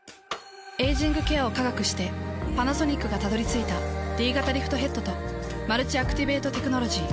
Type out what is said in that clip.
エイジングケアを科学してパナソニックがたどり着いたＤ型リフトヘッドとマルチアクティベートテクノロジー。